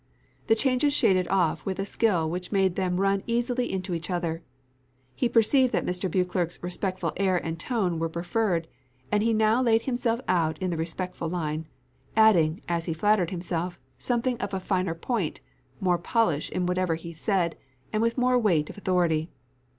The changes shaded off with a skill which made them run easily into each other. He perceived that Mr. Beauclerc's respectful air and tone were preferred, and he now laid himself out in the respectful line, adding, as he flattered himself, something of a finer point, more polish in whatever he said, and with more weight of authority.